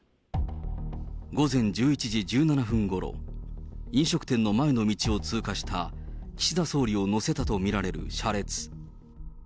午前１１時１７分ごろ、飲食店の前の道を通過した、岸田総理を乗せたと見られる車列。